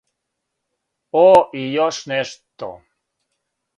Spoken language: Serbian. О, и још нешто.